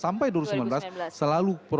nah itulah pr terbesar bahwa golkar